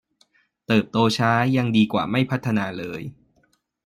เติบโตช้ายังดีกว่าไม่พัฒนาเลย